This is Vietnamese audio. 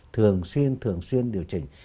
thường xuyên thường xuyên điều chỉnh